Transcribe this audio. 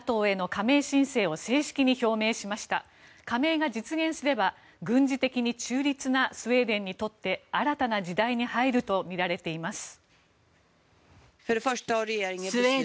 加盟が実現すれば軍事的に中立なスウェーデンにとって新たな時代に入るとみられています。